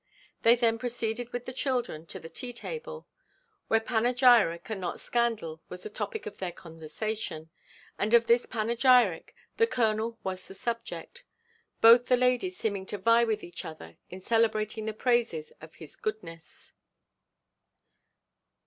They then proceeded with the children to the tea table, where panegyric, and not scandal, was the topic of their conversation; and of this panegyric the colonel was the subject; both the ladies seeming to vie with each other in celebrating the praises of his goodness.